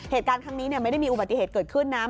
เหตุการณ์ครั้งนี้ไม่ได้มีอุบัติเหตุเกิดขึ้นนะ